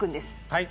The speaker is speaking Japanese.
はい。